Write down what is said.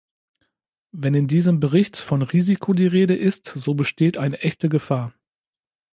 Wenn in diesem Bericht von Risiko die Rede ist, so besteht eine echte Gefahr.